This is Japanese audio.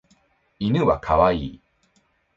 犬は可愛い。